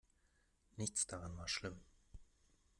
Nichts daran war schlimm.